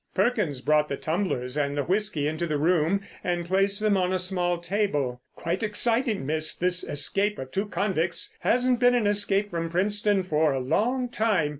Perkins brought the tumblers and the whisky into the room and placed them on a small table. "Quite exciting, miss, this escape of two convicts. Hasn't been an escape from Princetown for a long time.